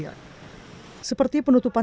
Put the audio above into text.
tanah air seperti penutupan